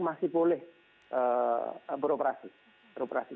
masih boleh beroperasi